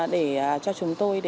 để cho chúng tôi